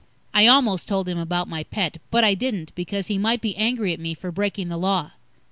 I almost told him about my pet, but I didn't, because he might be angry at me for breaking the Law.